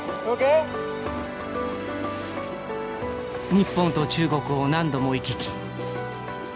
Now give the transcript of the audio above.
日本と中国を何度も行き来。